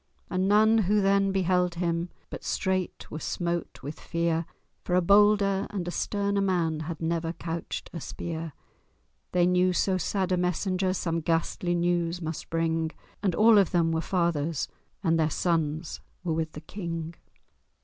And none who then beheld him But straight were smote with fear, For a bolder and a sterner man Had never couched a spear. They knew so sad a messenger Some ghastly news must bring; And all of them were fathers, And their sons were with the King.